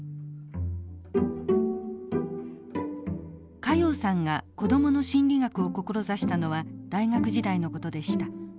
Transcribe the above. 加用さんが子供の心理学を志したのは大学時代のことでした。